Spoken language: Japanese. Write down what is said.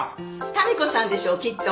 民子さんでしょきっと。